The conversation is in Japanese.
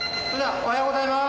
おはようございます。